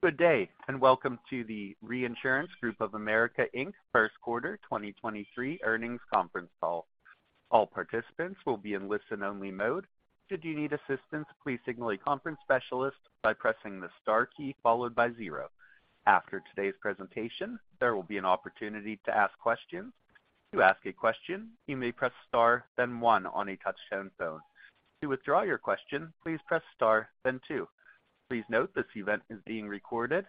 Good day, and welcome to the Reinsurance Group of America Inc. first quarter 2023 earnings conference call. All participants will be in listen-only mode. Should you need assistance, please signal a conference specialist by pressing the star key followed by zero. After today's presentation, there will be an opportunity to ask questions. To ask a question, you may press star, then one on a touch-tone phone. To withdraw your question, please press star, then two. Please note this event is being recorded.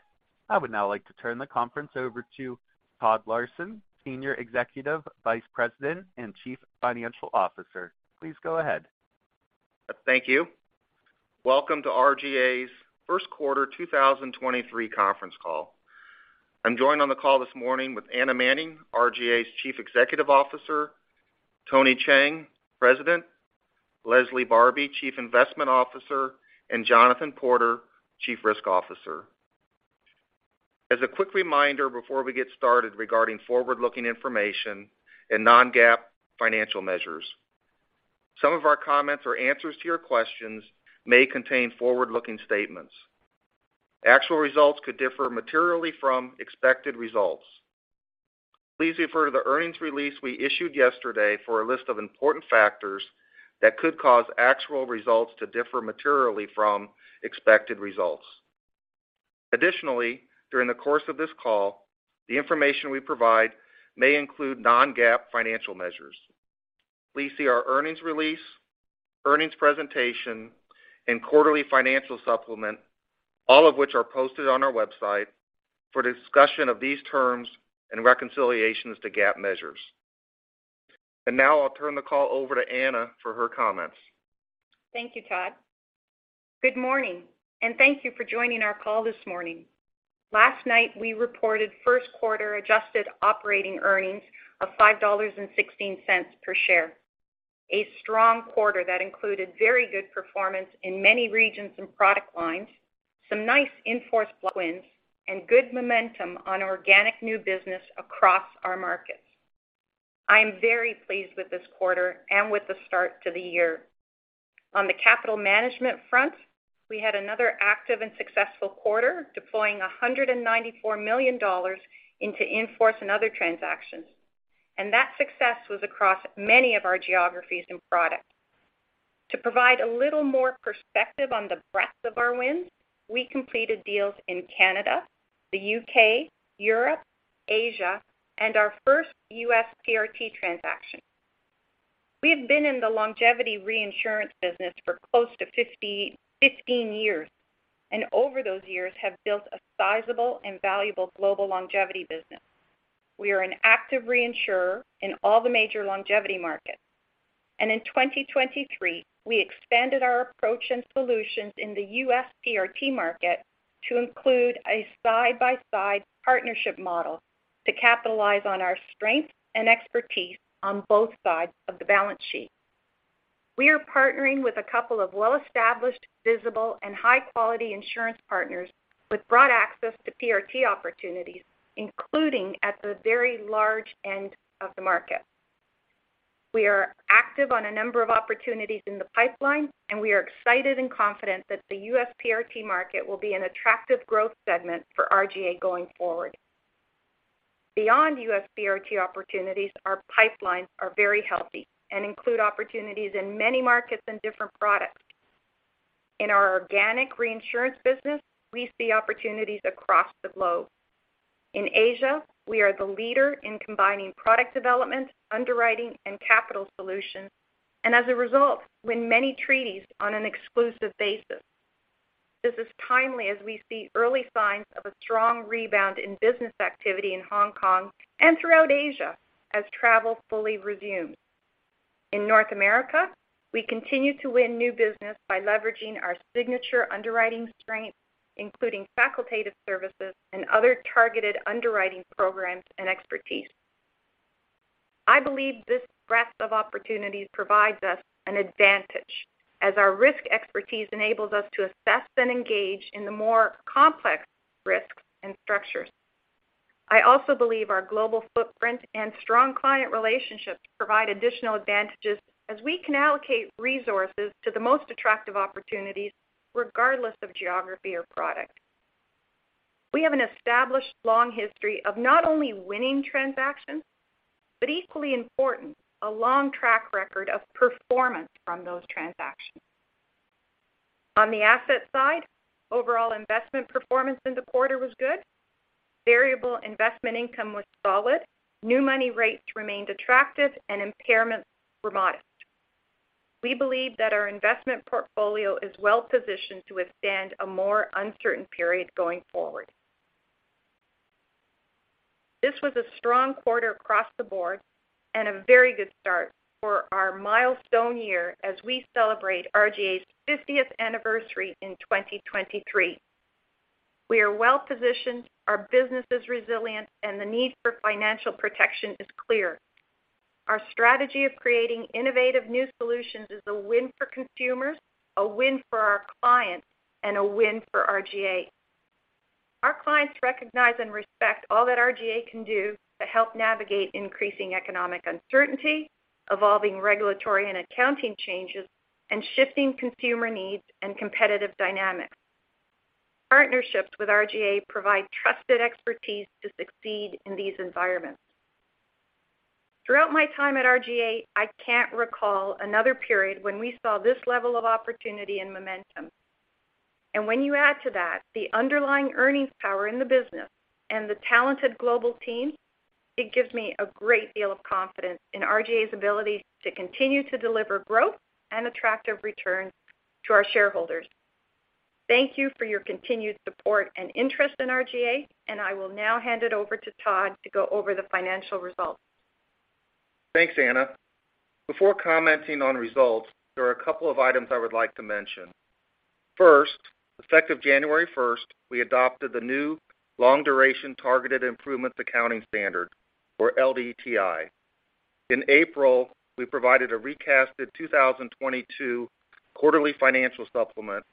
I would now like to turn the conference over to Todd Larson, Senior Executive Vice President and Chief Financial Officer. Please go ahead. Thank you. Welcome to RGA's first quarter 2023 conference call. I'm joined on the call this morning with Anna Manning, RGA's Chief Executive Officer, Tony Cheng, President, Leslie Barbi, Chief Investment Officer, and Jonathan Porter, Chief Risk Officer. As a quick reminder before we get started regarding forward-looking information and non-GAAP financial measures, some of our comments or answers to your questions may contain forward-looking statements. Actual results could differ materially from expected results. Please refer to the earnings release we issued yesterday for a list of important factors that could cause actual results to differ materially from expected results. Additionally, during the course of this call, the information we provide may include non-GAAP financial measures. Please see our earnings release, earnings presentation, and quarterly financial supplement, all of which are posted on our website for discussion of these terms and reconciliations to GAAP measures. Now I'll turn the call over to Anna for her comments. Thank you, Todd. Good morning, and thank you for joining our call this morning. Last night, we reported first quarter adjusted operating earnings of $5.16 per share, a strong quarter that included very good performance in many regions and product lines, some nice in-force block wins, and good momentum on organic new business across our markets. I am very pleased with this quarter and with the start to the year. On the capital management front, we had another active and successful quarter, deploying $194 million into in-force and other transactions. That success was across many of our geographies and products. To provide a little more perspective on the breadth of our wins, we completed deals in Canada, the U.K., Europe, Asia, and our first US PRT transaction. We have been in the longevity reinsurance business for close to 15 years, over those years have built a sizable and valuable global longevity business. We are an active reinsurer in all the major longevity markets. In 2023, we expanded our approach and solutions in the U.S. PRT market to include a side-by-side partnership model to capitalize on our strength and expertise on both sides of the balance sheet. We are partnering with a couple of well-established, visible and high-quality insurance partners with broad access to PRT opportunities, including at the very large end of the market. We are active on a number of opportunities in the pipeline, we are excited and confident that the U.S. PRT market will be an attractive growth segment for RGA going forward. Beyond U.S. PRT opportunities, our pipelines are very healthy and include opportunities in many markets and different products. In our organic reinsurance business, we see opportunities across the globe. In Asia, we are the leader in combining product development, underwriting, and capital solutions, and as a result, win many treaties on an exclusive basis. This is timely as we see early signs of a strong rebound in business activity in Hong Kong and throughout Asia as travel fully resumes. In North America, we continue to win new business by leveraging our signature underwriting strengths, including facultative services and other targeted underwriting programs and expertise. I believe this breadth of opportunities provides us an advantage as our risk expertise enables us to assess and engage in the more complex risks and structures. I also believe our global footprint and strong client relationships provide additional advantages as we can allocate resources to the most attractive opportunities regardless of geography or product. We have an established long history of not only winning transactions, but equally important, a long track record of performance from those transactions. On the asset side, overall investment performance in the quarter was good. Variable investment income was solid. New money rates remained attractive and impairments were modest. We believe that our investment portfolio is well positioned to withstand a more uncertain period going forward. This was a strong quarter across the board and a very good start for our milestone year as we celebrate RGA's 50th anniversary in 2023. We are well positioned, our business is resilient, and the need for financial protection is clear. Our strategy of creating innovative new solutions is a win for consumers, a win for our clients, and a win for RGA. Our clients recognize and respect all that RGA can do to help navigate increasing economic uncertainty, evolving regulatory and accounting changes and shifting consumer needs and competitive dynamics. Partnerships with RGA provide trusted expertise to succeed in these environments. Throughout my time at RGA, I can't recall another period when we saw this level of opportunity and momentum. When you add to that the underlying earnings power in the business and the talented global team, it gives me a great deal of confidence in RGA's ability to continue to deliver growth and attractive returns to our shareholders. Thank you for your continued support and interest in RGA, and I will now hand it over to Todd to go over the financial results. Thanks, Anna. Before commenting on results, there are a couple of items I would like to mention. First, effective January first, we adopted the new Long-Duration Targeted Improvements accounting standard, or LDTI. In April, we provided a recasted 2022 quarterly financial supplement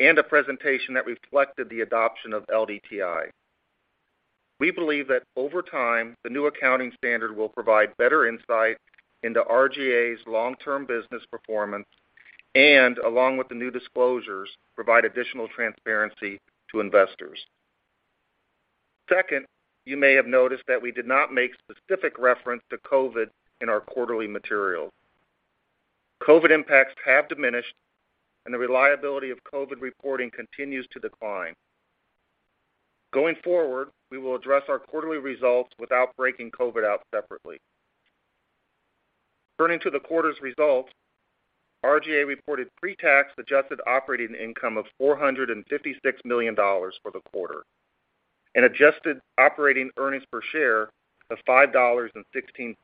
and a presentation that reflected the adoption of LDTI. We believe that over time, the new accounting standard will provide better insight into RGA's long-term business performance and along with the new disclosures, provide additional transparency to investors. Second, you may have noticed that we did not make specific reference to COVID in our quarterly materials. COVID impacts have diminished and the reliability of COVID reporting continues to decline. Going forward, we will address our quarterly results without breaking COVID out separately. Turning to the quarter's results, RGA reported pretax adjusted operating income of $456 million for the quarter and adjusted operating earnings per share of $5.16,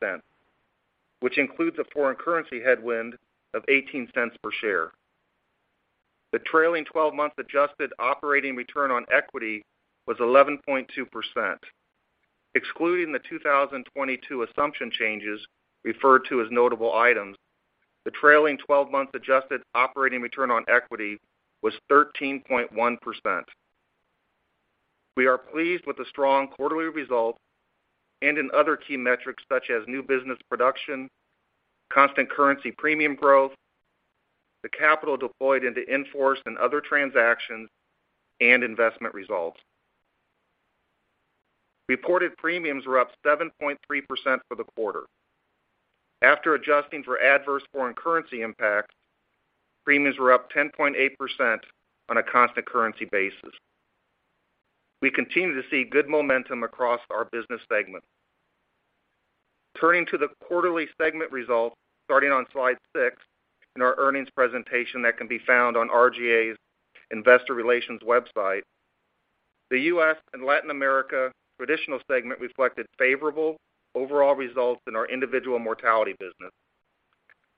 which includes a foreign currency headwind of $0.18 per share. The trailing-twelve-month adjusted operating return on equity was 11.2%. Excluding the 2022 assumption changes referred to as notable items, the trailing 12-month adjusted operating return on equity was 13.1%. We are pleased with the strong quarterly results and in other key metrics such as new business production, constant currency premium growth, the capital deployed into in-force and other transactions, and investment results. Reported premiums were up 7.3% for the quarter. After adjusting for adverse foreign currency impacts, premiums were up 10.8% on a constant currency basis. We continue to see good momentum across our business segments. Turning to the quarterly segment results, starting on slide 6 in our earnings presentation that can be found on RGA's investor relations website. The U.S. and Latin America traditional segment reflected favorable overall results in our individual mortality business,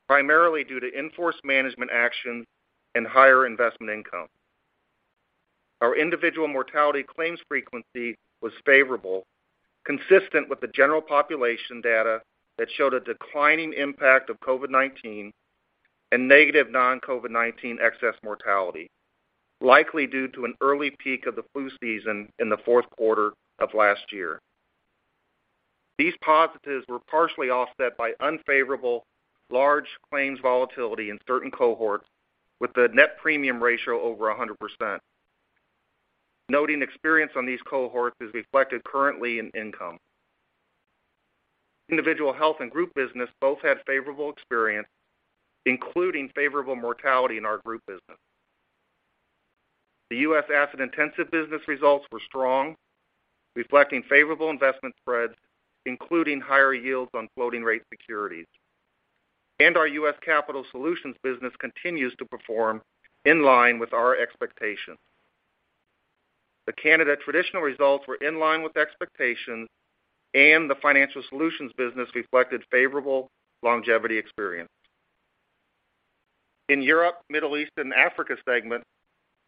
primarily due to in-force management actions and higher investment income. Our individual mortality claims frequency was favorable, consistent with the general population data that showed a declining impact of COVID-19 and negative non-COVID-19 excess mortality, likely due to an early peak of the flu season in the fourth quarter of last year. These positives were partially offset by unfavorable large claims volatility in certain cohorts with the net premium ratio over 100%. Noting experience on these cohorts is reflected currently in income. Individual health and group business both had favorable experience, including favorable mortality in our group business. The U.S. asset-intensive business results were strong, reflecting favorable investment spreads, including higher yields on floating-rate securities. Our U.S. capital solutions business continues to perform in line with our expectations. The Canada traditional results were in line with expectations, and the financial solutions business reflected favorable longevity experience. In Europe, Middle East, and Africa segment,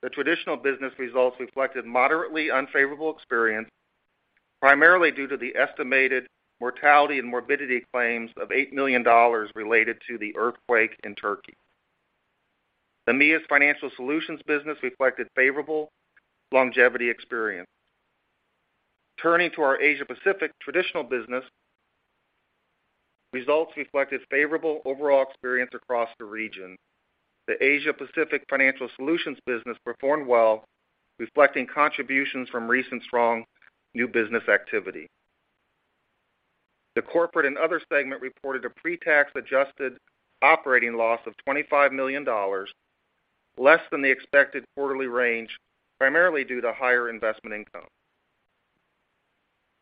the traditional business results reflected moderately unfavorable experience, primarily due to the estimated mortality and morbidity claims of $8 million related to the earthquake in Turkey. The EMEA's financial solutions business reflected favorable longevity experience. Turning to our Asia Pacific traditional business, results reflected favorable overall experience across the region. The Asia Pacific financial solutions business performed well, reflecting contributions from recent strong new business activity. The corporate and other segment reported a pretax adjusted operating loss of $25 million, less than the expected quarterly range, primarily due to higher investment income.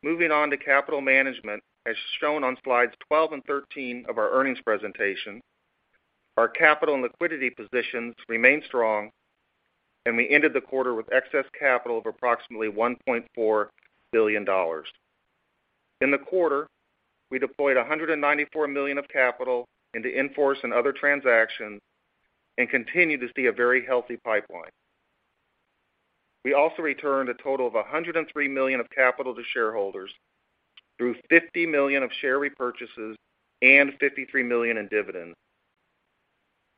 Moving on to capital management, as shown on slides 12 and 13 of our earnings presentation, our capital and liquidity positions remain strong. We ended the quarter with excess capital of approximately $1.4 billion. In the quarter, we deployed $194 million of capital into in-force and other transactions and continue to see a very healthy pipeline. We also returned a total of $103 million of capital to shareholders through $50 million of share repurchases and $53 million in dividends.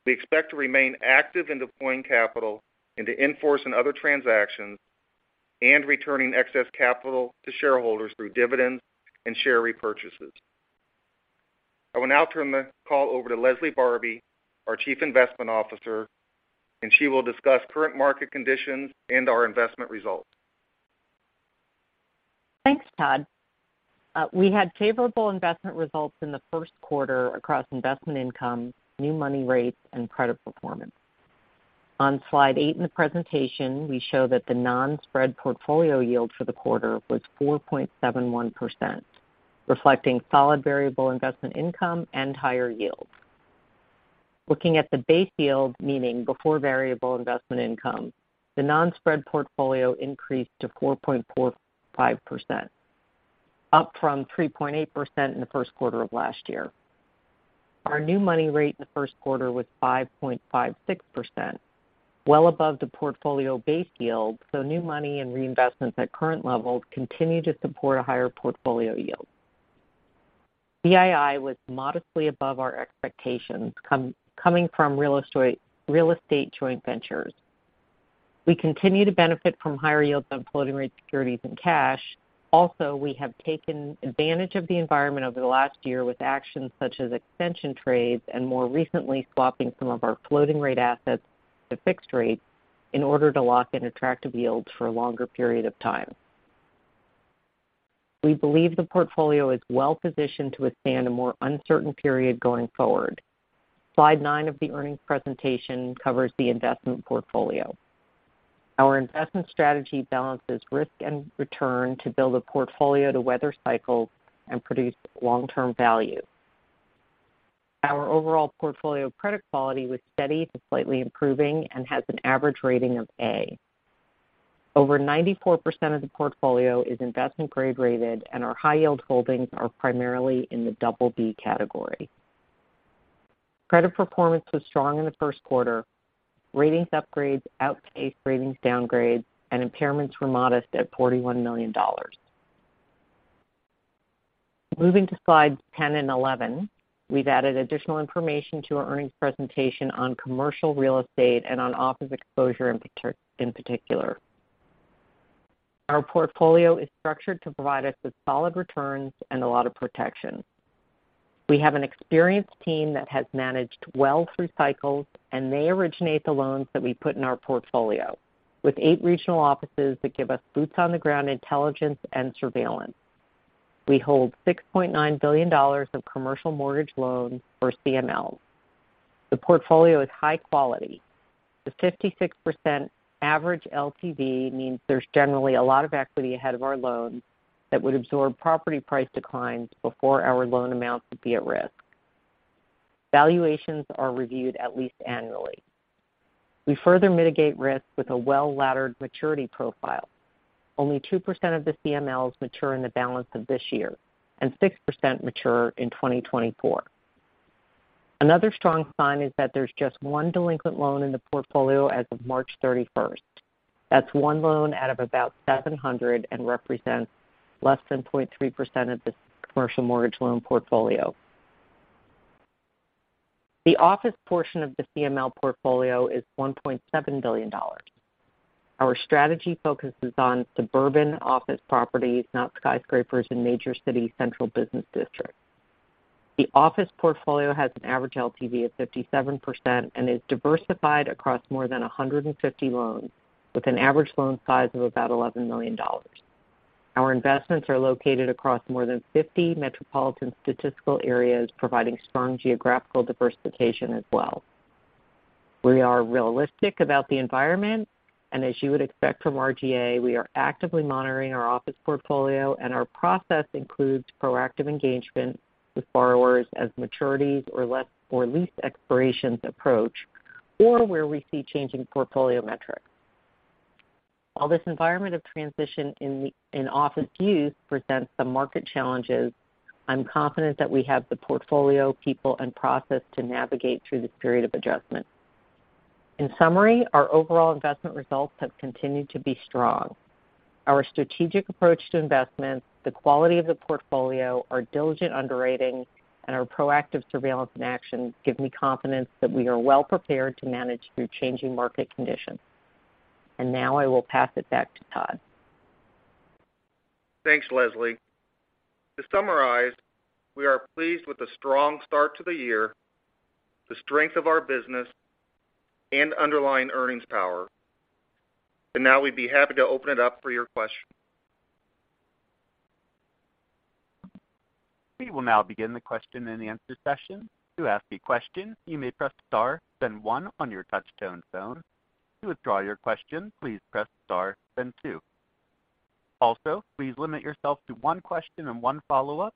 We expect to remain active in deploying capital into in-force and other transactions and returning excess capital to shareholders through dividends and share repurchases. I will now turn the call over to Leslie Barbi, our Chief Investment Officer. She will discuss current market conditions and our investment results. Thanks, Todd. We had favorable investment results in the first quarter across investment income, new money rates and credit performance. On slide eight in the presentation, we show that the non-spread portfolio yield for the quarter was 4.71%, reflecting solid variable investment income and higher yields. Looking at the base yield, meaning before variable investment income, the non-spread portfolio increased to 4.45%, up from 3.8% in the first quarter of last year. Our new money rate in the first quarter was 5.56%, well above the portfolio base yield, new money and reinvestments at current levels continue to support a higher portfolio yield. EII was modestly above our expectations coming from real estate joint ventures. We continue to benefit from higher yields on floating-rate securities and cash. We have taken advantage of the environment over the last year with actions such as extension trades and more recently swapping some of our floating-rate assets to fixed-rate in order to lock in attractive yields for a longer period of time. We believe the portfolio is well-positioned to withstand a more uncertain period going forward. Slide nine of the earnings presentation covers the investment portfolio. Our investment strategy balances risk and return to build a portfolio to weather cycles and produce long-term value. Our overall portfolio credit quality was steady to slightly improving and has an average rating of A. Over 94% of the portfolio is investment grade, and our high yield holdings are primarily in the BB category. Credit performance was strong in the 1st quarter. Ratings upgrades outpaced ratings downgrades, and impairments were modest at $41 million. Moving to slides 10 and 11, we've added additional information to our earnings presentation on commercial real estate and on office exposure in particular. Our portfolio is structured to provide us with solid returns and a lot of protection. We have an experienced team that has managed well through cycles, and they originate the loans that we put in our portfolio with eight regional offices that give us boots on the ground intelligence and surveillance. We hold $6.9 billion of commercial mortgage loans or CMLs. The portfolio is high quality. The 56% average LTV means there's generally a lot of equity ahead of our loans that would absorb property price declines before our loan amounts would be at risk. Valuations are reviewed at least annually. We further mitigate risk with a well-laddered maturity profile. Only 2% of the CMLs mature in the balance of this year, and 6% mature in 2024. Another strong sign is that there's just one delinquent loan in the portfolio as of March 31st. That's one loan out of about 700 and represents less than 0.3% of the commercial mortgage loan portfolio. The office portion of the CML portfolio is $1.7 billion. Our strategy focuses on suburban office properties, not skyscrapers in major city central business districts. The office portfolio has an average LTV of 57% and is diversified across more than 150 loans with an average loan size of about $11 million. Our investments are located across more than 50 metropolitan statistical areas, providing strong geographical diversification as well. We are realistic about the environment. As you would expect from RGA, we are actively monitoring our office portfolio, and our process includes proactive engagement with borrowers as maturities or lease expirations approach or where we see changing portfolio metrics. While this environment of transition in office use presents some market challenges, I'm confident that we have the portfolio, people and process to navigate through this period of adjustment. In summary, our overall investment results have continued to be strong. Our strategic approach to investments, the quality of the portfolio, our diligent underwriting and our proactive surveillance and action give me confidence that we are well prepared to manage through changing market conditions. Now I will pass it back to Todd. Thanks, Leslie. To summarize, we are pleased with the strong start to the year, the strength of our business and underlying earnings power. Now we'd be happy to open it up for your questions. We will now begin the question-and-answer session. To ask a question, you may press star then one on your touchtone phone. To withdraw your question, please press star then two. Also, please limit yourself to one question and one follow-up.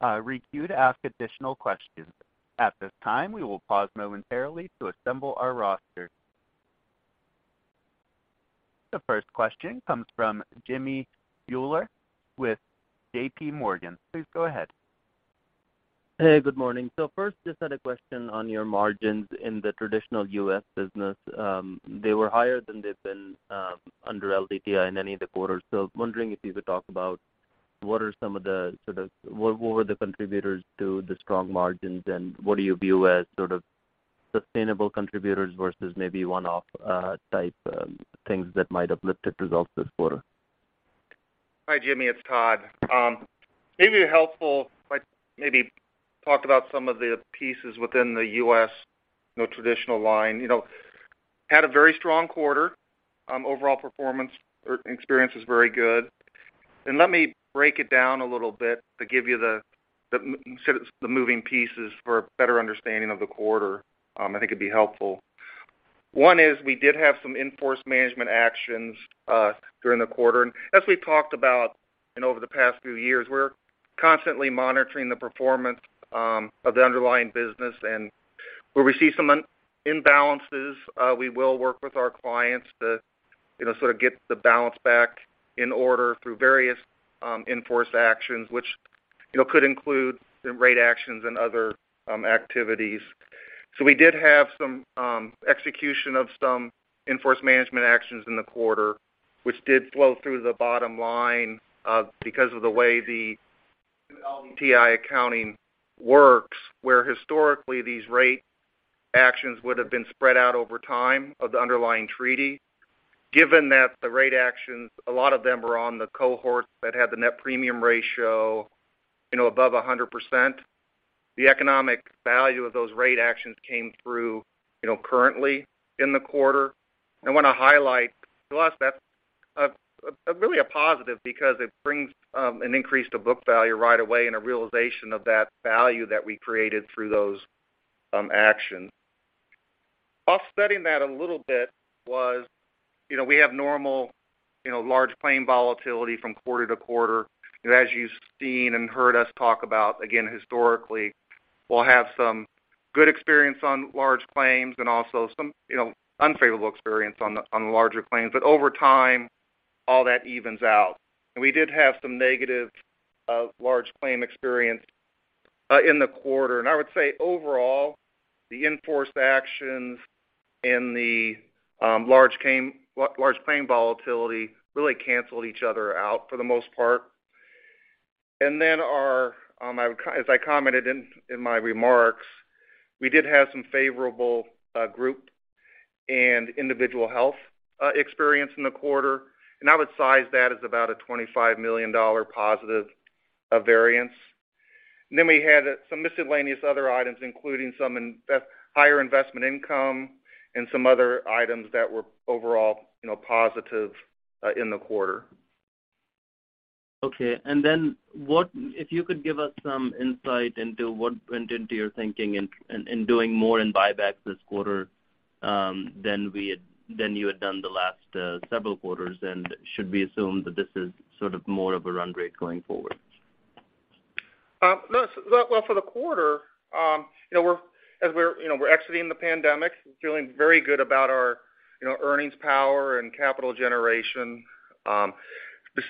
Re-queue to ask additional questions. At this time, we will pause momentarily to assemble our roster. The first question comes from Jimmy Bhullar with JPMorgan. Please go ahead. Good morning. First, just had a question on your margins in the traditional U.S. business. They were higher than they've been under LDTI in any of the quarters. Wondering if you could talk about what were the contributors to the strong margins and what do you view as Sustainable contributors versus maybe one-off type things that might have lifted results this quarter. Hi, Jimmy, it's Todd. Maybe helpful, like maybe talk about some of the pieces within the U.S., you know, traditional line. You know, had a very strong quarter. Overall performance or experience was very good. Let me break it down a little bit to give you the sort of the moving pieces for a better understanding of the quarter, I think it'd be helpful. One is we did have some in-force management actions during the quarter. As we talked about and over the past few years, we're constantly monitoring the performance of the underlying business. Where we see some imbalances, we will work with our clients to, you know, sort of get the balance back in order through various in-force actions, which, you know, could include some rate actions and other activities. We did have some execution of some in-force management actions in the quarter, which did flow through the bottom line because of the way the LDTI accounting works. Where historically these rate actions would have been spread out over time of the underlying treaty. Given that the rate actions, a lot of them are on the cohorts that had the net premium ratio, you know, above 100%, the economic value of those rate actions came through, you know, currently in the quarter. I want to highlight, to us that's a really a positive because it brings an increase to book value right away and a realization of that value that we created through those actions. Offsetting that a little bit was, you know, we have normal, you know, large claim volatility from quarter to quarter. As you've seen and heard us talk about, again, historically, we'll have some good experience on large claims and also some, you know, unfavorable experience on larger claims. Over time, all that evens out. We did have some negative large claim experience in the quarter. I would say overall, the in-force actions and the large claim volatility really canceled each other out for the most part. Our, as I commented in my remarks, we did have some favorable group and individual health experience in the quarter, and I would size that as about a $25 million positive variance. We had some miscellaneous other items, including some higher investment income and some other items that were overall, you know, positive in the quarter. Okay. Then if you could give us some insight into what went into your thinking in doing more in buyback this quarter, than you had done the last several quarters. Should we assume that this is sort of more of a run rate going forward? no, well, for the quarter, you know, we're, as we're, you know, we're exiting the pandemic, feeling very good about our, you know, earnings power and capital generation.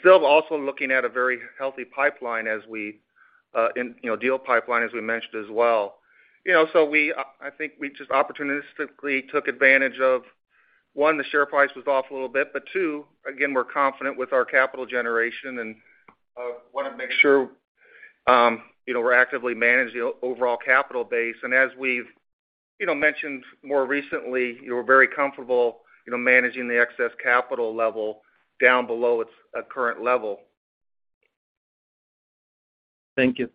Still also looking at a very healthy pipeline as we, in, you know, deal pipeline as we mentioned as well. You know, so we, I think we just opportunistically took advantage of, one, the share price was off a little bit, but two, again, we're confident with our capital generation and wanna make sure, you know, we're actively managing the overall capital base. As we've, you know, mentioned more recently, we're very comfortable, you know, managing the excess capital level down below its current level. Thank you.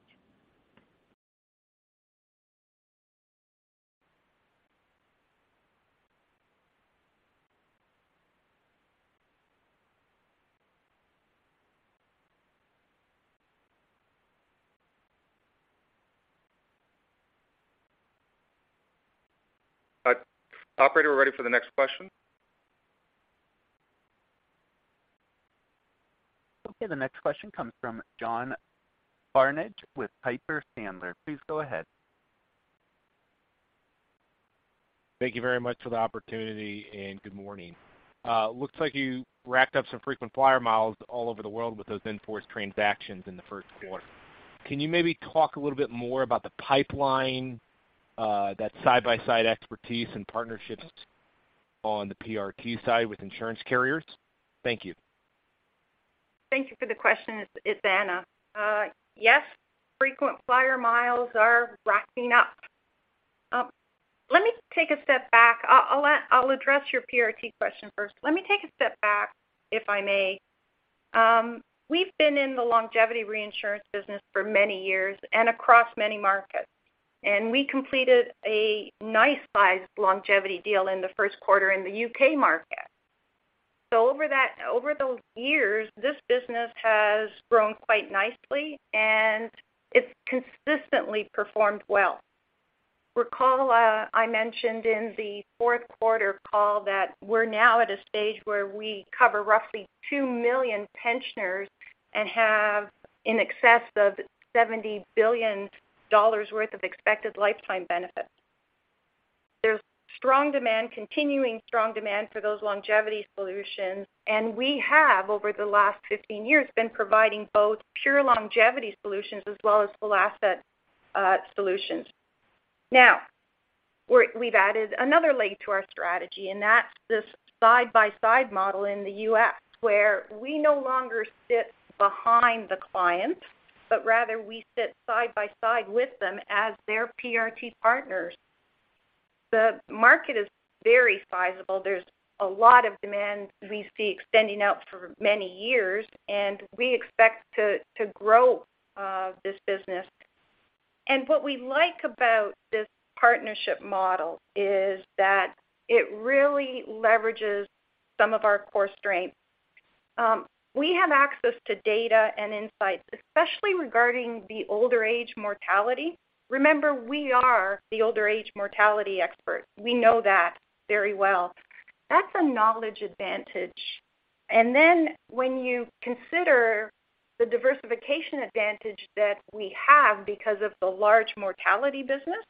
Operator, we're ready for the next question. Okay, the next question comes from John Barnidge with Piper Sandler. Please go ahead. Thank you very much for the opportunity. Good morning. Looks like you racked up some frequent flyer miles all over the world with those in-force transactions in the first quarter. Can you maybe talk a little bit more about the pipeline, that side-by-side expertise and partnerships on the PRT side with insurance carriers? Thank you. Thank you for the question. It's Anna. Yes, frequent flyer miles are racking up. Let me take a step back. I'll address your PRT question first. Let me take a step back, if I may. We've been in the longevity reinsurance business for many years and across many markets, and we completed a nice-sized longevity deal in the first quarter in the U.K. market. Over those years, this business has grown quite nicely, and it's consistently performed well. Recall, I mentioned in the fourth quarter call that we're now at a stage where we cover roughly 2 million pensioners and have in excess of $70 billion worth of expected lifetime benefits. There's strong demand, continuing strong demand for those longevity solutions. We have, over the last 15 years, been providing both pure longevity solutions as well as full asset solutions. We've added another leg to our strategy, and that's this side-by-side model in the U.S., where we no longer sit behind the client. Rather, we sit side by side with them as their PRT partners. The market is very sizable. There's a lot of demand we see extending out for many years, and we expect to grow this business. What we like about this partnership model is that it really leverages some of our core strengths. We have access to data and insights, especially regarding the older age mortality. Remember, we are the older age mortality expert. We know that very well. That's a knowledge advantage. When you consider the diversification advantage that we have because of the large mortality business,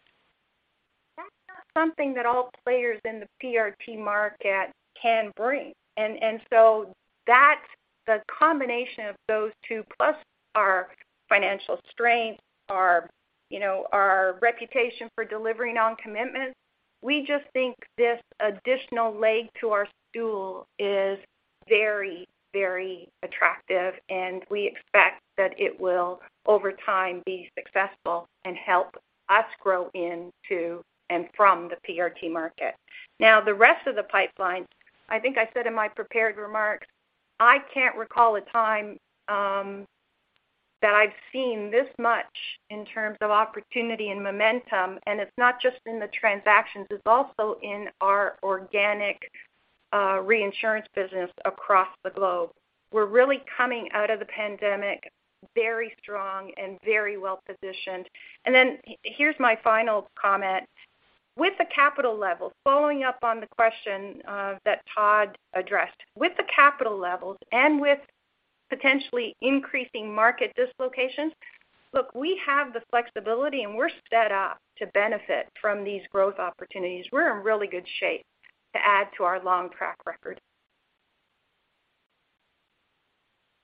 that's not something that all players in the PRT market can bring. That's the combination of those two plus our financial strength, our, you know, our reputation for delivering on commitments. We just think this additional leg to our stool is very, very attractive, and we expect that it will over time be successful and help us grow into and from the PRT market. The rest of the pipeline, I think I said in my prepared remarks, I can't recall a time that I've seen this much in terms of opportunity and momentum, and it's not just in the transactions, it's also in our organic reinsurance business across the globe. We're really coming out of the pandemic very strong and very well-positioned. Here's my final comment. With the capital level, following up on the question that Todd addressed. With the capital levels and with potentially increasing market dislocations, look, we have the flexibility, and we're set up to benefit from these growth opportunities. We're in really good shape to add to our long track record.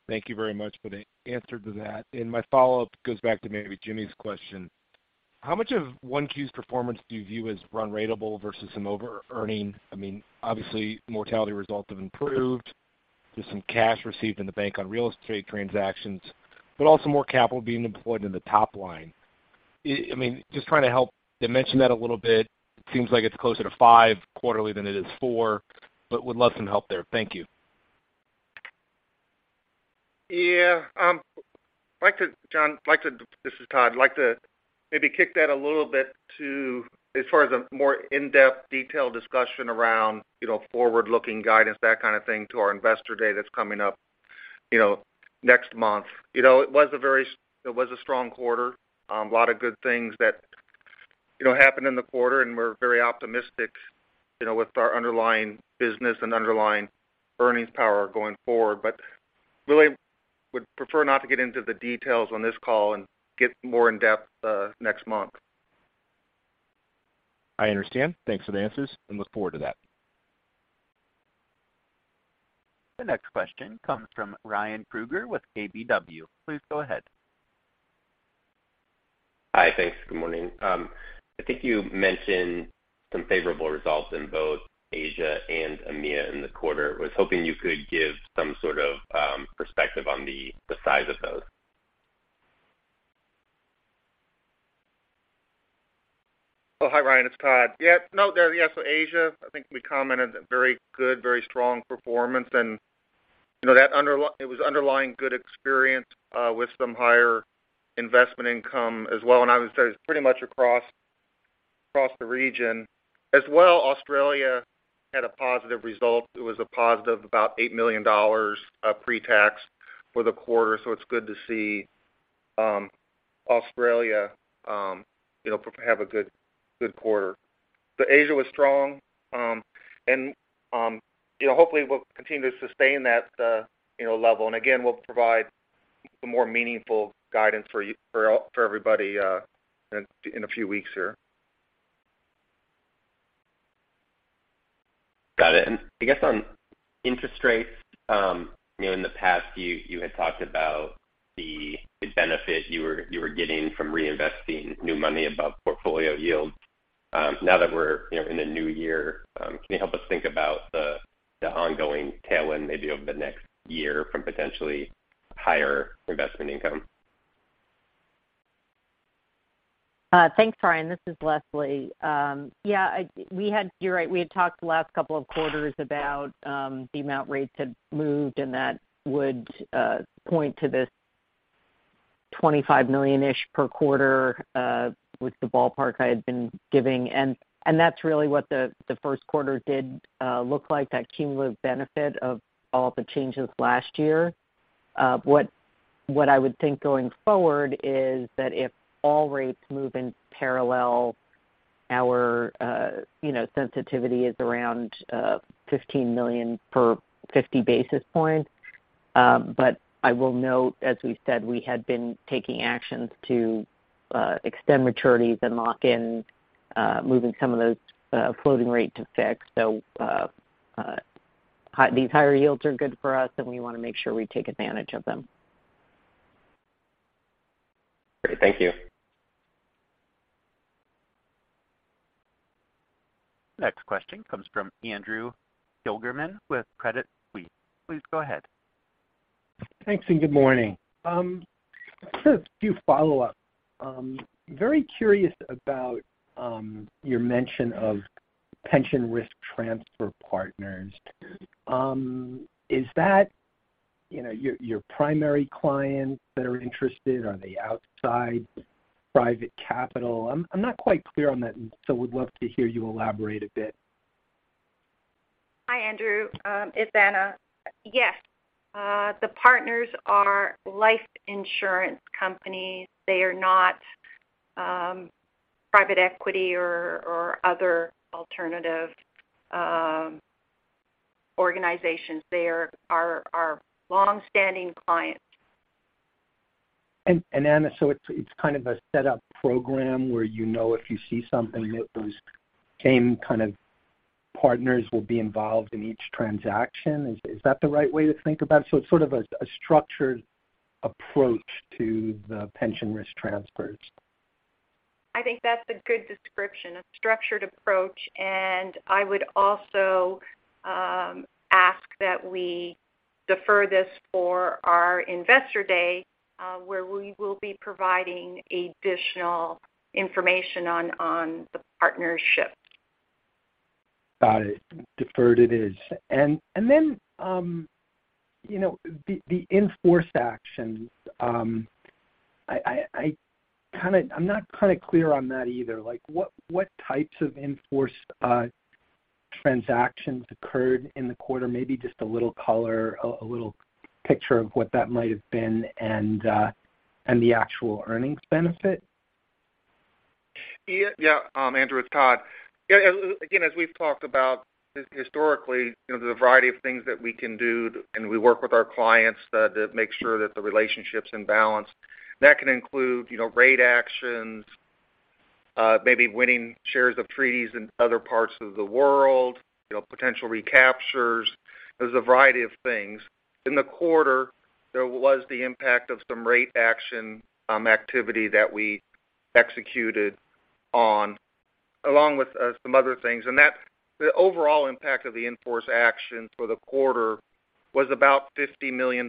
Thank you very much for the answer to that. My follow-up goes back to maybe Jimmy's question. How much of 1Q's performance do you view as run ratable versus some over-earning? I mean, obviously, mortality results have improved. There's some cash received in the bank on real estate transactions, but also more capital being deployed in the top line. I mean, just trying to help dimension that a little bit. It seems like it's closer to five quarterly than it is four, but would love some help there. Thank you. Yeah. John, this is Todd. I'd like to maybe kick that a little bit to, as far as a more in-depth detailed discussion around, you know, forward-looking guidance, that kind of thing, to our investor day that's coming up, you know, next month. You know, it was a strong quarter. A lot of good things that, you know, happened in the quarter, and we're very optimistic, you know, with our underlying business and underlying earnings power going forward. Really would prefer not to get into the details on this call and get more in depth next month. I understand. Thanks for the answers and look forward to that. The next question comes from Ryan Krueger with KBW. Please go ahead. Hi. Thanks. Good morning. I think you mentioned some favorable results in both Asia and EMEA in the quarter. I was hoping you could give some sort of perspective on the size of those? Oh, hi, Ryan. It's Todd. Yeah. No, there, yeah. Asia, I think we commented very good, very strong performance. You know, that it was underlying good experience with some higher investment income as well. I would say it's pretty much across the region. Australia had a positive result. It was a positive, about $8 million of pre-tax for the quarter. It's good to see Australia, you know, have a good quarter. Asia was strong. You know, hopefully we'll continue to sustain that, you know, level. Again, we'll provide some more meaningful guidance for everybody in a few weeks here. Got it. I guess on interest rates, you know, in the past, you had talked about the benefit you were, you were getting from reinvesting new money above portfolio yields. Now that we're, you know, in the new year, can you help us think about the ongoing tailwind maybe over the next year from potentially higher investment income? Thanks, Ryan. This is Leslie. Yeah, you're right. We had talked the last couple of quarters about the amount rates had moved, and that would point to this $25 million-ish per quarter was the ballpark I had been giving. That's really what the first quarter did look like, that cumulative benefit of all the changes last year. What I would think going forward is that if all rates move in parallel, our, you know, sensitivity is around $15 million per 50 basis points. I will note, as we said, we had been taking actions to extend maturities and lock in moving some of those floating rate to fixed. These higher yields are good for us, and we want to make sure we take advantage of them. Great. Thank you. Next question comes from Andrew Kligerman with Credit Suisse. Please go ahead. Thanks and good morning. Just a few follow-up. Very curious about your mention of pension risk transfer partners. Is that, you know, your primary clients that are interested? Are they outside private capital? I'm not quite clear on that. Would love to hear you elaborate a bit. Hi, Andrew. It's Anna. Yes. The partners are life insurance companies. They are not private equity or other alternative organizations. They are longstanding clients. Anna, so it's kind of a set up program where you know if you see something that those same kind of partners will be involved in each transaction. Is that the right way to think about it? It's sort of a structured approach to the pension risk transfers. I think that's a good description, a structured approach. I would also ask that we defer this for our investor day, where we will be providing additional information on the partnerships. Got it. Deferred it is. Then, you know, the in-force actions. I'm not kinda clear on that either. Like, what types of in-force transactions occurred in the quarter? Maybe just a little color, a little picture of what that might have been and the actual earnings benefit. Yeah, yeah. Andrew, it's Todd. Yeah, again, as we've talked about historically, you know, there's a variety of things that we can do, and we work with our clients to make sure that the relationship's in balance. That can include, you know, rate actions, maybe winning shares of treaties in other parts of the world, you know, potential recaptures. There's a variety of things. In the quarter, there was the impact of some rate action activity that we executed on, along with some other things. The overall impact of the in-force action for the quarter was about $50 million.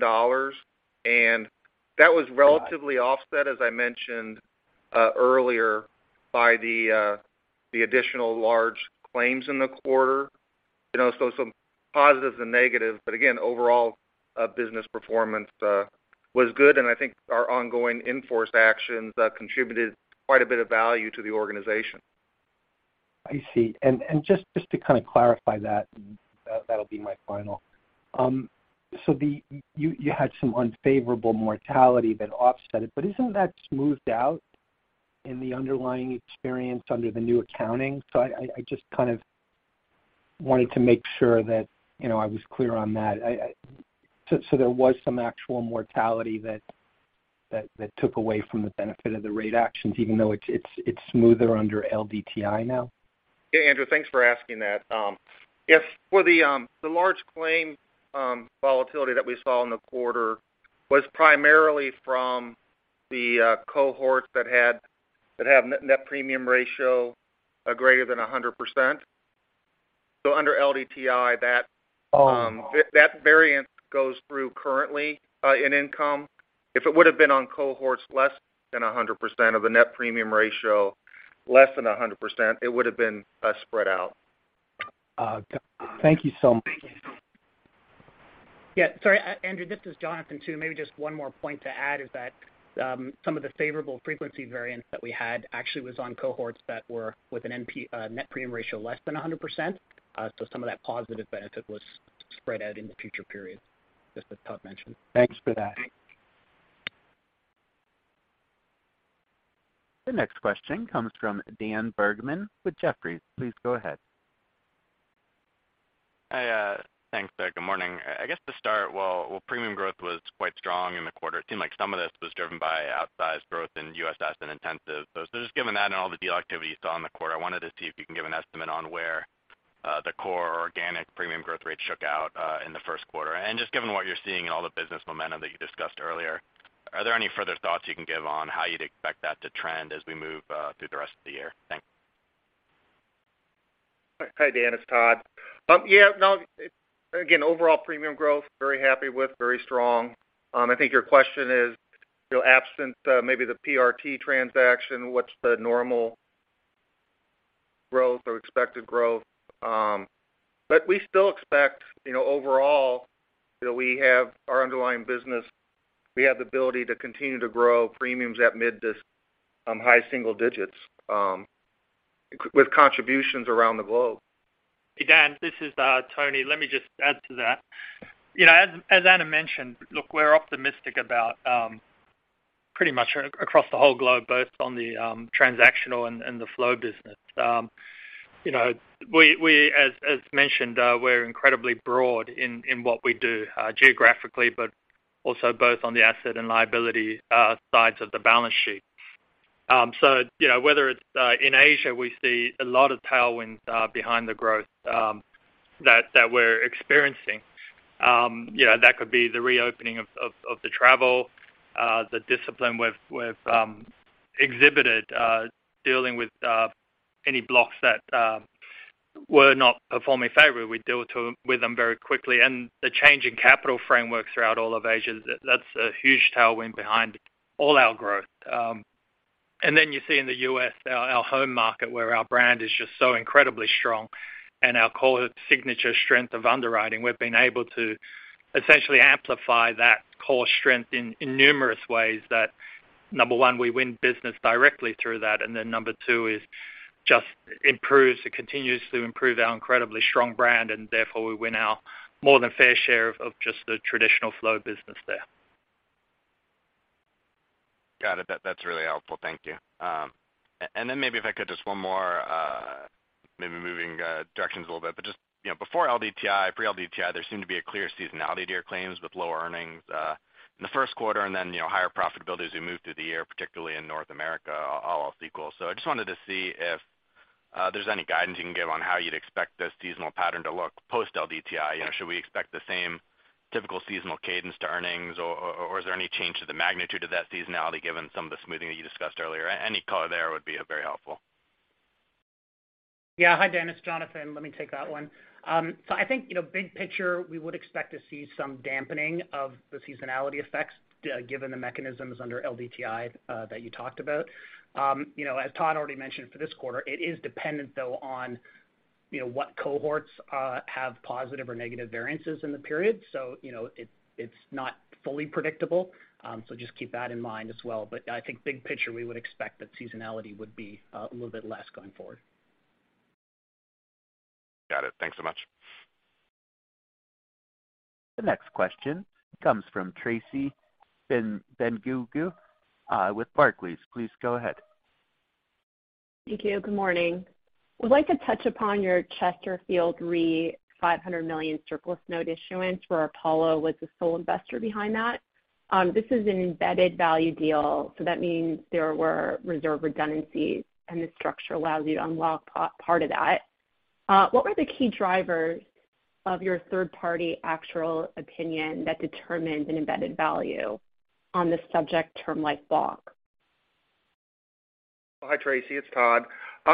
That was relatively offset, as I mentioned earlier, by the additional large claims in the quarter. You know, some positives and negatives. Again, overall, business performance, was good, and I think our ongoing in-force actions, contributed quite a bit of value to the organization. I see. Just to kind of clarify that'll be my final. You had some unfavorable mortality that offset it, but isn't that smoothed out in the underlying experience under the new accounting? I just kind of wanted to make sure that, you know, I was clear on that. There was some actual mortality that took away from the benefit of the rate actions, even though it's smoother under LDTI now. Yeah, Andrew, thanks for asking that. If for the large claim volatility that we saw in the quarter was primarily from the cohorts that have net premium ratio greater than 100%. Under LDTI, that variance goes through currently in income. If it would've been on cohorts less than 100% of the net premium ratio, less than 100%, it would've been spread out. Thank you so much. Sorry, Andrew, this is Jonathan, too. Maybe just one more point to add is that some of the favorable frequency variance that we had actually was on cohorts that were with an NP, net premium ratio less than 100%. Some of that positive benefit was spread out in the future periods, just as Todd mentioned. Thanks for that. The next question comes from Dan Bergman with Jefferies. Please go ahead. Hi, thanks. Good morning. I guess to start, well, premium growth was quite strong in the quarter. It seemed like some of this was driven by outsized growth in U.S. asset intensive. Just given that and all the deal activity you saw in the quarter, I wanted to see if you can give an estimate on where the core organic premium growth rate shook out in the first quarter. Just given what you're seeing in all the business momentum that you discussed earlier, are there any further thoughts you can give on how you'd expect that to trend as we move through the rest of the year? Thanks. Hi, Dan, it's Todd. Yeah, no, again, overall premium growth, very happy with, very strong. I think your question is, you know, absent maybe the PRT transaction, what's the normal growth or expected growth? We still expect, you know, overall that we have our underlying business, we have the ability to continue to grow premiums at mid to high single digits with contributions around the globe. Dan, this is Tony. Let me just add to that. You know, as Anna mentioned, look, we're optimistic about pretty much across the whole globe, both on the transactional and the flow business. You know, we as mentioned, we're incredibly broad in what we do geographically, but also both on the asset and liability sides of the balance sheet. You know, whether it's in Asia, we see a lot of tailwinds behind the growth that we're experiencing. Yeah, that could be the reopening of the travel, the discipline we've exhibited, dealing with any blocks that were not performing favorably. We deal with them very quickly. The change in capital frameworks throughout all of Asia, that's a huge tailwind behind all our growth. You see in the U.S., our home market, where our brand is just so incredibly strong and our core signature strength of underwriting, we've been able to essentially amplify that core strength in numerous ways that, number one, we win business directly through that. Number two is just improves or continues to improve our incredibly strong brand, and therefore we win our more than fair share of just the traditional flow business there. Got it. That's really helpful. Thank you. Then maybe if I could just one more, maybe moving directions a little bit, but just, you know, before LDTI, pre-LDTI, there seemed to be a clear seasonality to your claims with lower earnings in the first quarter and then, you know, higher profitability as we move through the year, particularly in North America, all else equal. I just wanted to see if there's any guidance you can give on how you'd expect this seasonal pattern to look post LDTI. You know, should we expect the same typical seasonal cadence to earnings or is there any change to the magnitude of that seasonality given some of the smoothing that you discussed earlier? Any color there would be very helpful. Yeah. Hi, Dan, it's Jonathan. Let me take that one. I think, you know, big picture, we would expect to see some dampening of the seasonality effects given the mechanisms under LDTI that you talked about. You know, as Todd already mentioned for this quarter, it is dependent though on, you know, what cohorts have positive or negative variances in the period. You know, it's not fully predictable. Just keep that in mind as well. I think big picture, we would expect that seasonality would be a little bit less going forward. Got it. Thanks so much. The next question comes from Tracy Dolin-Benguigui, with Barclays. Please go ahead. Thank you. Good morning. I'd like to touch upon your Chesterfield Re $500 million surplus note issuance, where Apollo was the sole investor behind that. This is an embedded value deal, so that means there were reserve redundancies, and the structure allows you to unlock part of that. What were the key drivers of your third-party actual opinion that determined an embedded value on the subject term like block? Hi, Tracy. It's Todd.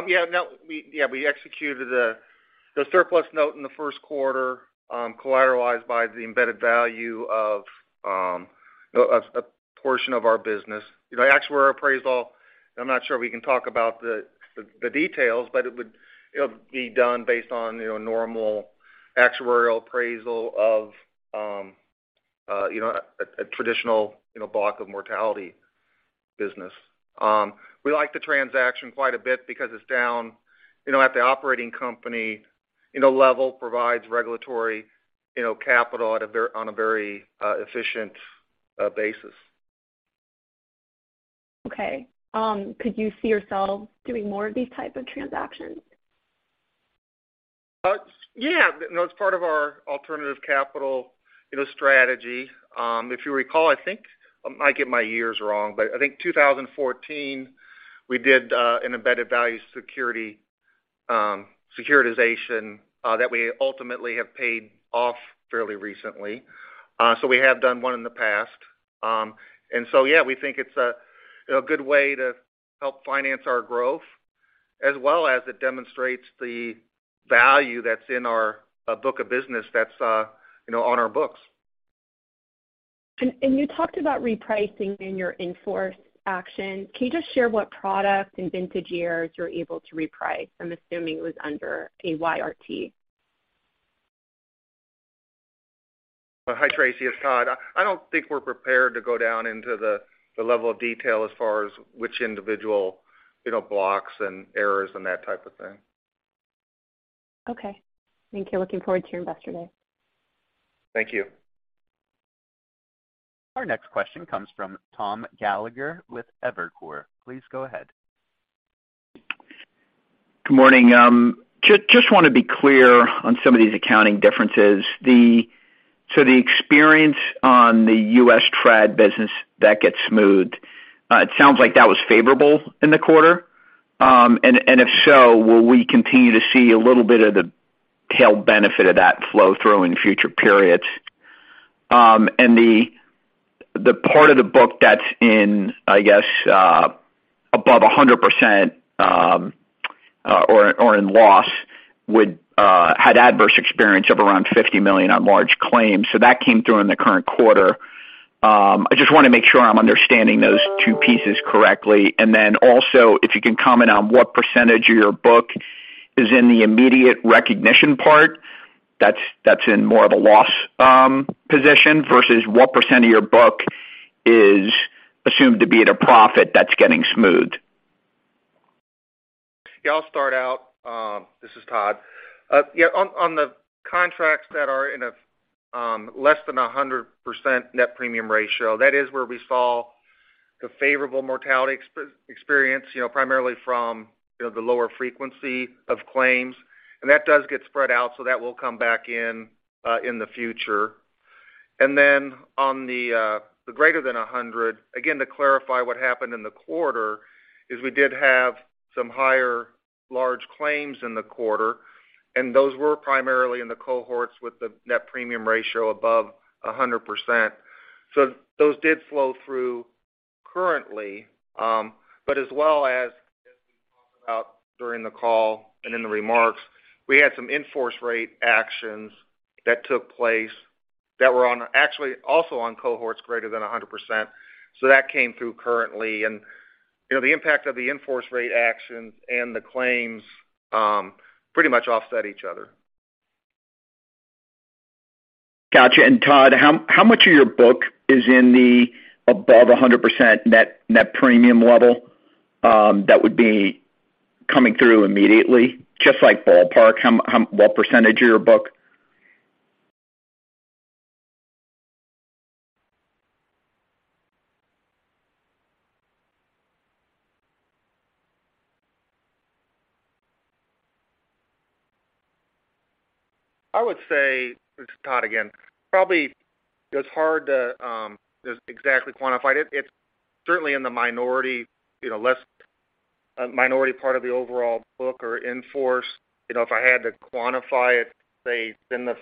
Yeah, no, we, yeah, we executed the surplus note in the first quarter, collateralized by the embedded value of a portion of our business. The actuarial appraisal, I'm not sure we can talk about the details, but it'll be done based on, you know, a normal actuarial appraisal of you know, a traditional, you know, block of mortality business. We like the transaction quite a bit because it's down, you know, at the operating company, you know, level provides regulatory, you know, capital on a very efficient basis. Could you see yourself doing more of these type of transactions? Yeah. You know, it's part of our alternative capital, you know, strategy. If you recall, I think, I might get my years wrong, but I think 2014, we did an embedded value security, securitization, that we ultimately have paid off fairly recently. So we have done one in the past. Yeah, we think it's a, you know, good way to help finance our growth as well as it demonstrates the value that's in our book of business that's, you know, on our books. You talked about repricing in your in-force action. Can you just share what products and vintage years you're able to reprice? I'm assuming it was under a YRT. Hi, Tracy. It's Todd. I don't think we're prepared to go down into the level of detail as far as which individual, you know, blocks and errors and that type of thing. Okay. Thank you. Looking forward to your Investor Day. Thank you. Our next question comes from Tom Gallagher with Evercore. Please go ahead. Good morning. Just want to be clear on some of these accounting differences. So the experience on the U.S. Trad business that gets smoothed, it sounds like that was favorable in the quarter. If so, will we continue to see a little bit of the tail benefit of that flow through in future periods? The part of the book that's in, I guess, above 100%, or in loss would had adverse experience of around $50 million on large claims. That came through in the current quarter. I just want to make sure I'm understanding those two pieces correctly. Also, if you can comment on what percentage of your book is in the immediate recognition part that's in more of a loss position versus what percentage of your book is assumed to be at a profit that's getting smoothed. Yeah, I'll start out. This is Todd. Yeah, on the contracts that are in a less than 100% net premium ratio, that is where we saw the favorable mortality experience, you know, primarily from, you know, the lower frequency of claims. That does get spread out, so that will come back in the future. On the greater than 100, again, to clarify what happened in the quarter is we did have some higher large claims in the quarter, and those were primarily in the cohorts with the net premium ratio above 100%. Those did flow through currently, but as well as we talked about during the call and in the remarks, we had some in-force rate actions that took place that were on actually also on cohorts greater than 100%. That came through currently. You know, the impact of the in-force rate actions and the claims, pretty much offset each other. Got you. Todd, how much of your book is in the above 100% net premium level, that would be coming through immediately, just like ballpark, what percentage of your book? I would say, this is Todd again, probably it's hard to exactly quantify it. It's certainly in the minority, you know, less minority part of the overall book or in force. You know, if I had to quantify it, say it's in the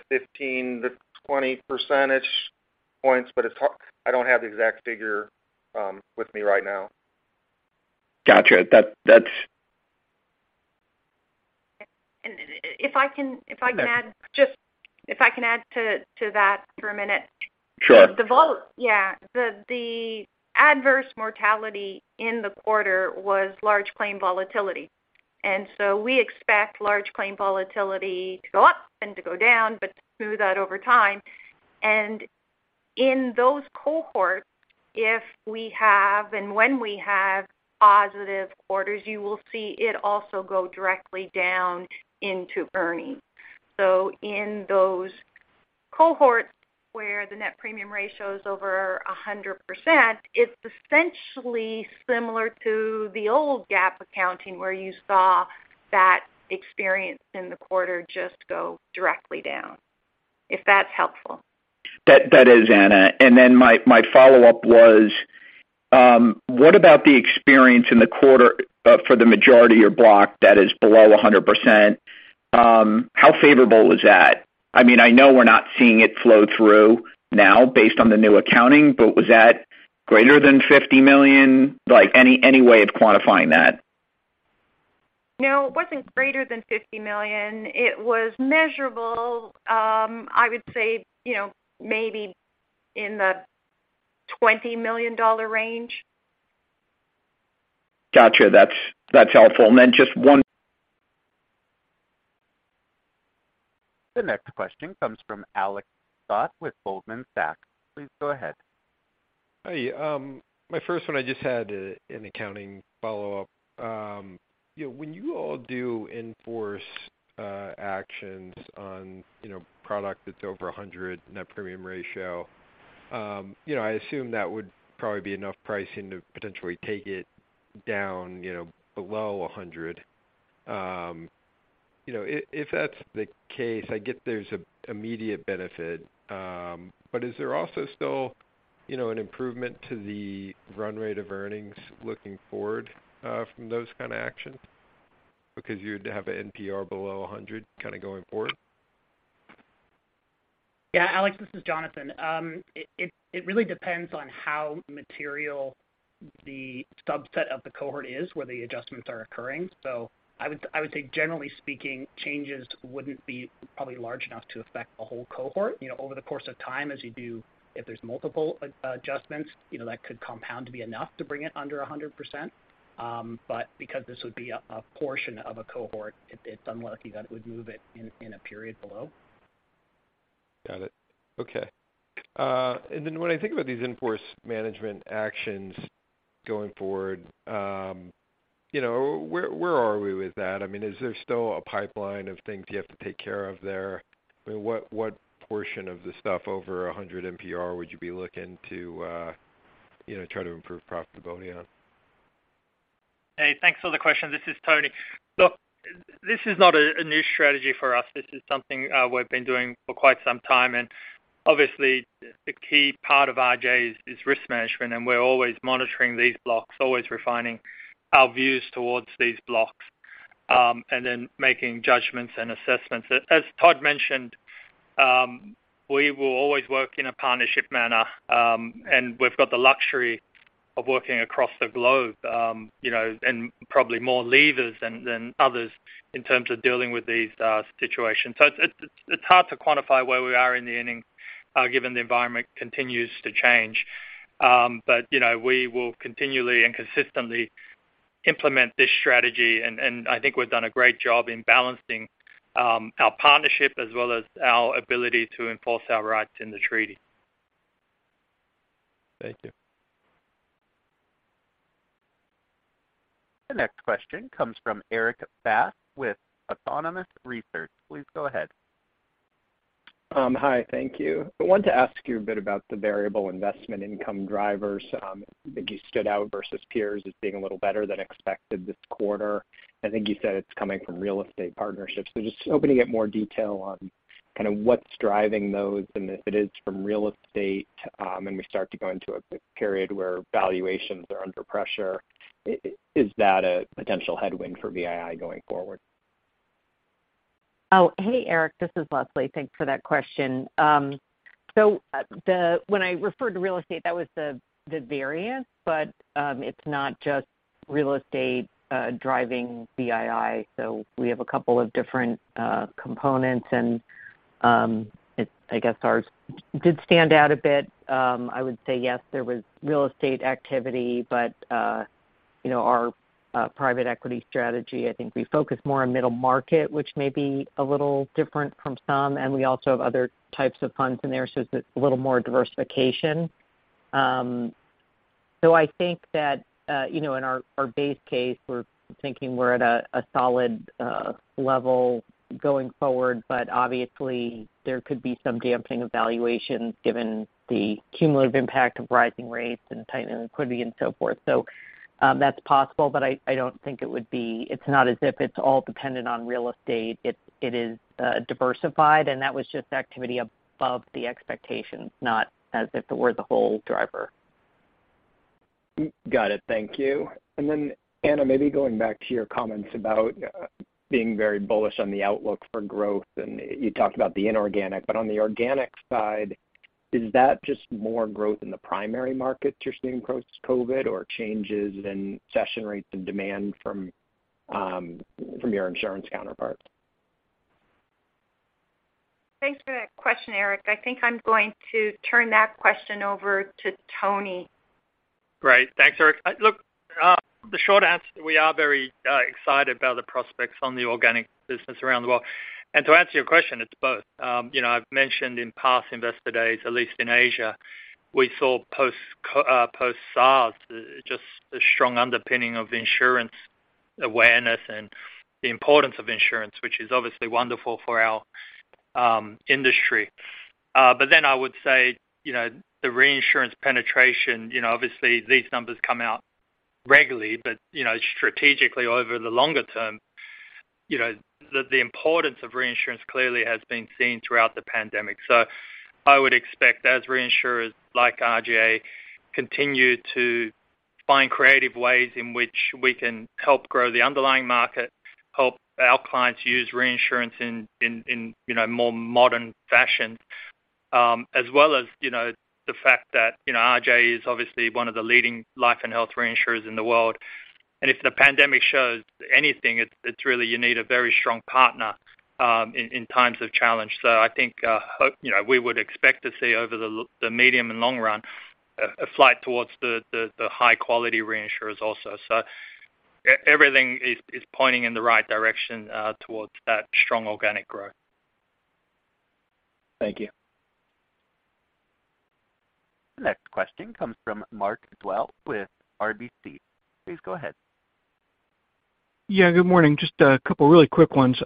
15-20 percentage points, but it's hard. I don't have the exact figure with me right now. Got you. That. If I can add. Okay. Just if I can add to that for a minute. Sure. Yeah. The adverse mortality in the quarter was large claim volatility. We expect large claim volatility to go up and to go down, but to smooth out over time. In those cohorts, if we have and when we have positive quarters, you will see it also go directly down into earnings. In those cohorts where the net premium ratio is over 100%, it's essentially similar to the old GAAP accounting, where you saw that experience in the quarter just go directly down, if that's helpful. That is Anna. My follow-up was, what about the experience in the quarter for the majority of your block that is below 100%? How favorable was that? I mean, I know we're not seeing it flow through now based on the new accounting, was that greater than $50 million? Like, any way of quantifying that? No, it wasn't greater than $50 million. It was measurable, I would say, you know, maybe in the $20 million range. Got you. That's helpful. The next question comes from Alex Scott with Goldman Sachs. Please go ahead. Hi. My first one, I just had an accounting follow-up. You know, when you all do in-force actions on, you know, product that's over 100 net premium ratio, you know, I assume that would probably be enough pricing to potentially take it down, you know, below 100. You know, if that's the case, I get there's a immediate benefit, but is there also still, you know, an improvement to the run rate of earnings looking forward from those kind of actions because you'd have NPR below 100 kind of going forward? Yeah. Alex, this is Jonathan. It really depends on how material the subset of the cohort is, where the adjustments are occurring. I would say generally speaking, changes wouldn't be probably large enough to affect the whole cohort. You know, over the course of time as you do, if there's multiple adjustments, you know, that could compound to be enough to bring it under 100%. Because this would be a portion of a cohort, it's unlikely that it would move it in a period below. Got it. Okay. When I think about these in-force management actions going forward, you know, where are we with that? I mean, is there still a pipeline of things you have to take care of there? I mean, what portion of the stuff over 100 NPR would you be looking to, you know, try to improve profitability on? Hey, thanks for the question. This is Tony. Look, this is not a new strategy for us. This is something we've been doing for quite some time. Obviously the key part of RJ is risk management, and we're always monitoring these blocks, always refining our views towards these blocks, and then making judgments and assessments. As Todd mentioned, we will always work in a partnership manner, and we've got the luxury of working across the globe, you know, and probably more levers than others in terms of dealing with these situations. It's, it's hard to quantify where we are in the inning, given the environment continues to change. You know, we will continually and consistently implement this strategy. And I think we've done a great job in balancing, our partnership as well as our ability to enforce our rights in the treaty. Thank you. The next question comes from Erik Bass with Autonomous Research. Please go ahead. Hi, thank you. I want to ask you a bit about the variable investment income drivers that you stood out versus peers as being a little better than expected this quarter. I think you said it's coming from real estate partnerships. Just hoping to get more detail on kind of what's driving those, and if it is from real estate, and we start to go into a period where valuations are under pressure, is that a potential headwind for VII going forward? Hey, Erik, this is Leslie. Thanks for that question. When I referred to real estate, that was the variance, but it's not just real estate driving VII. We have a couple of different components and, I guess, ours did stand out a bit. I would say yes, there was real estate activity. You know, our private equity strategy, I think we focus more on middle market, which may be a little different from some, and we also have other types of funds in there, it's a little more diversification. I think that, you know, in our base case, we're thinking we're at a solid level going forward, but obviously there could be some damping of valuations given the cumulative impact of rising rates and tightening liquidity and so forth. That's possible, but I don't think it's not as if it's all dependent on real estate. It is diversified, and that was just activity above the expectations, not as if it were the whole driver. Got it. Thank you. Anna, maybe going back to your comments about being very bullish on the outlook for growth, you talked about the inorganic. On the organic side, is that just more growth in the primary market you're seeing post-COVID or changes in session rates and demand from your insurance counterparts? Thanks for that question, Erik. I think I'm going to turn that question over to Tony. Great. Thanks, Erik. Look, the short answer, we are very excited about the prospects on the organic business around the world. To answer your question, it's both. You know, I've mentioned in past Investor Days, at least in Asia, we saw post-SARS, just a strong underpinning of insurance awareness and the importance of insurance, which is obviously wonderful for our industry. I would say, you know, the reinsurance penetration, you know, obviously these numbers come out regularly. You know, strategically over the longer term, you know, the importance of reinsurance clearly has been seen throughout the pandemic. I would expect as reinsurers like RGA continue to find creative ways in which we can help grow the underlying market, help our clients use reinsurance in, you know, more modern fashions, as well as, you know, the fact that, you know, RGA is obviously one of the leading life and health reinsurers in the world. If the pandemic shows anything, it's really you need a very strong partner, in times of challenge. I think, hope, you know, we would expect to see over the medium and long run a flight towards the high quality reinsurers also. Everything is pointing in the right direction towards that strong organic growth. Thank you. Next question comes from Mark Dwelle with RBC. Please go ahead. Good morning. Just a couple of really quick ones.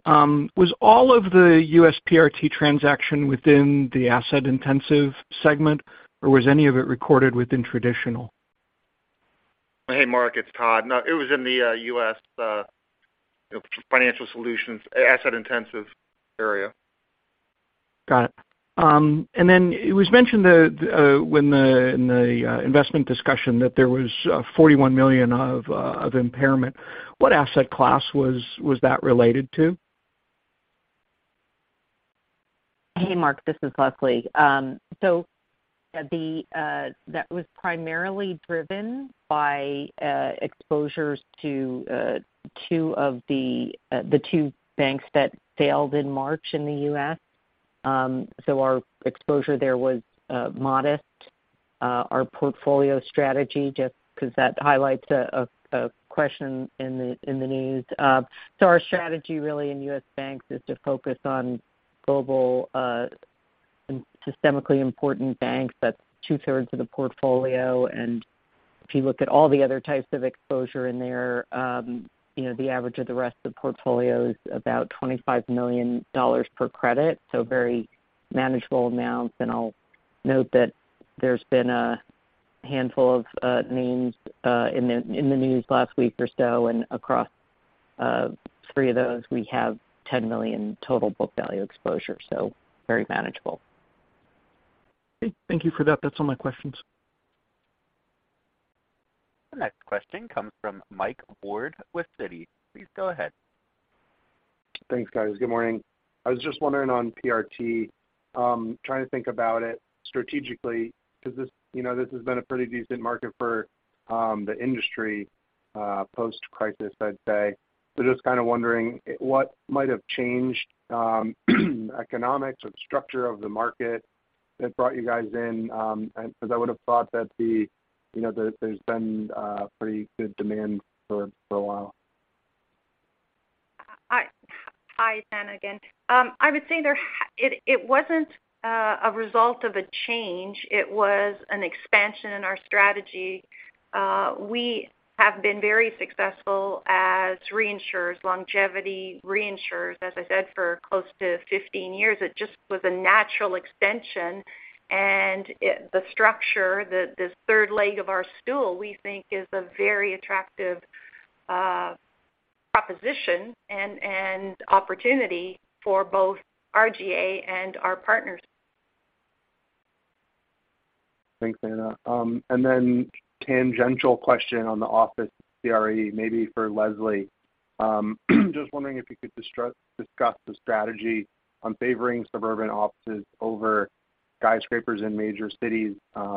Was all of the U.S. PRT transaction within the asset intensive segment, or was any of it recorded within traditional? Hey, Mark, it's Todd. No, it was in the U.S. financial solutions asset intensive area. Got it. It was mentioned that, when the, in the, investment discussion that there was, $41 million of impairment. What asset class was that related to? Hey, Mark, this is Leslie. That was primarily driven by exposures to two of the two banks that failed in March in the U.S. Our exposure there was modest. Our portfolio strategy, just 'cause that highlights a question in the news. Our strategy really in U.S. banks is to focus on global systemically important banks. That's 2/3 of the portfolio. If you look at all the other types of exposure in there, you know, the average of the rest of the portfolio is about $25 million per credit, so very manageable amounts. I'll note that there's been a handful of names in the news last week or so, and across three of those, we have $10 million total book value exposure, so very manageable. Thank you for that. That's all my questions. The next question comes from Mike Ward with Citi. Please go ahead. Thanks, guys. Good morning. I was just wondering on PRT, trying to think about it strategically, 'cause this, you know, this has been a pretty decent market for the industry post-crisis, I'd say. Just kind of wondering what might have changed economics or the structure of the market that brought you guys in, and because I would have thought that the, you know, there's been pretty good demand for a while. Hi, it's Anna again. I would say it wasn't a result of a change. It was an expansion in our strategy. We have been very successful as reinsurers, longevity reinsurers, as I said, for close to 15 years. It just was a natural extension. The structure, this third leg of our stool, we think is a very attractive proposition and opportunity for both RGA and our partners. Thanks, Anna. Tangential question on the office CRE maybe for Leslie. Just wondering if you could discuss the strategy on favoring suburban offices over skyscrapers in major cities. you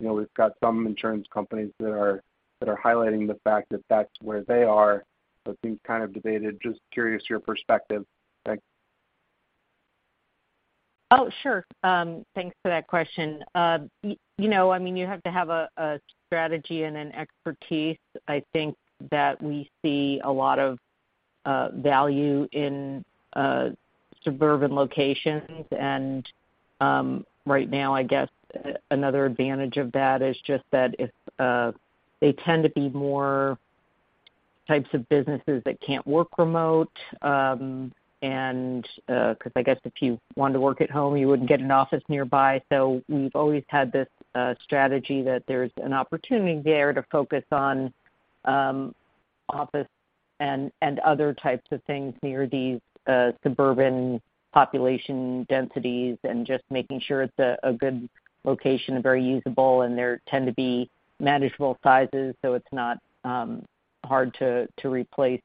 know, we've got some insurance companies that are highlighting the fact that that's where they are. That seems kind of debated. Just curious your perspective. Thanks. Oh, sure. Thanks for that question. You know, I mean, you have to have a strategy and an expertise. I think that we see a lot of value in suburban locations. Right now, I guess another advantage of that is just that if they tend to be more types of businesses that can't work remote, and 'cause I guess if you want to work at home, you wouldn't get an office nearby. We've always had this strategy that there's an opportunity there to focus on office and other types of things near these suburban population densities and just making sure it's a good location, very usable, and there tend to be manageable sizes, so it's not hard to replace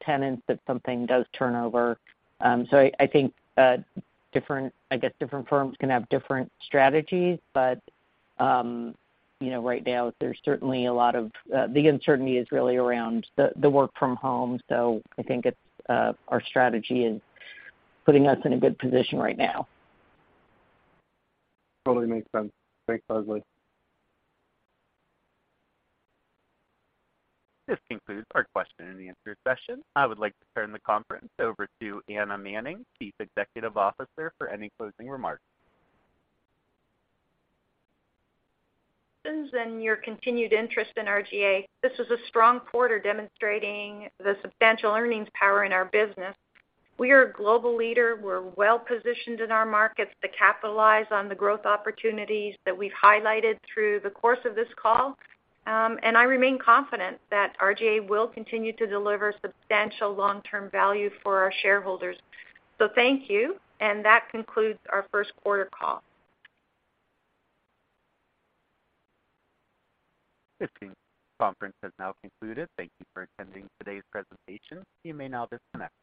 tenants if something does turn over. I think, I guess different firms can have different strategies, but, you know, right now there's certainly a lot of, the uncertainty is really around the work from home. I think it's, our strategy is putting us in a good position right now. Totally makes sense. Thanks, Leslie. This concludes our question and answer session. I would like to turn the conference over to Anna Manning, Chief Executive Officer, for any closing remarks. Your continued interest in RGA. This was a strong quarter demonstrating the substantial earnings power in our business. We are a global leader. We're well-positioned in our markets to capitalize on the growth opportunities that we've highlighted through the course of this call. I remain confident that RGA will continue to deliver substantial long-term value for our shareholders. Thank you. That concludes our first quarter call. This conference has now concluded. Thank you for attending today's presentation. You may now disconnect.